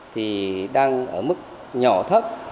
thì đang ở mức nhỏ thấp